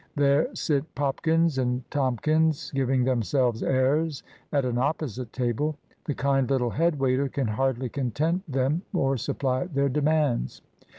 There sit Popkins and Tomkins giving themselves airs at an opposite table. The kind little head waiter can hardly content them or supply their demands.